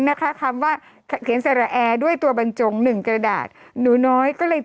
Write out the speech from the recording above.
นะคะคำว่าเขียนสารแอร์ด้วยตัวบรรจงหนึ่งกระดาษหนูน้อยก็เลย